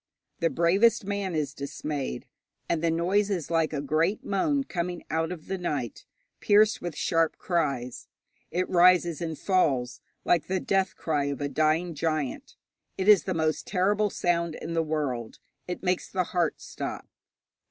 The bravest man is dismayed. And the noise is like a great moan coming out of the night, pierced with sharp cries. It rises and falls, like the death cry of a dying giant. It is the most terrible sound in the world. It makes the heart stop.